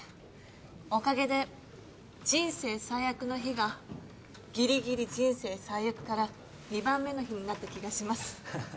おかげで人生最悪の日がギリギリ人生最悪から２番目の日になった気がします。